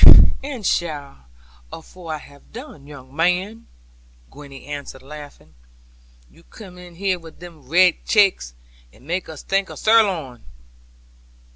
'And shall, afore I have done, young man,' Gwenny answered laughing; 'you come in here with they red chakes, and make us think o' sirloin.'